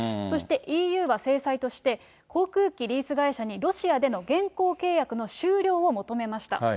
そして、ＥＵは制裁として、航空機リース会社に、ロシアでの現行契約の終了を求めました。